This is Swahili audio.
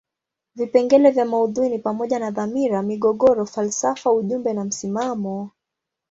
Vipengele vya maudhui ni pamoja na dhamira, migogoro, falsafa ujumbe na msimamo.